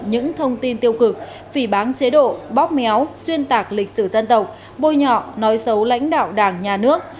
những thông tin tiêu cực phỉ bán chế độ bóp méo xuyên tạc lịch sử dân tộc bôi nhọ nói xấu lãnh đạo đảng nhà nước